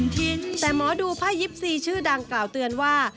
แต่หมอดูไพ่๒๔ชื่อดังกล่าวเตือนว่า